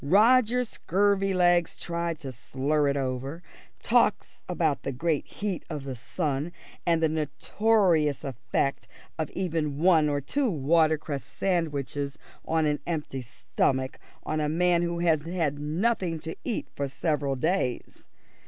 Roger Scurvilegs tries to slur it over; talks about the great heat of the sun, and the notorious effect of even one or two watercress sandwiches on an empty on a man who has had nothing to eat for several days.